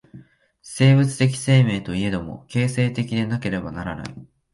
生物的生命といえども、形成的でなければならない。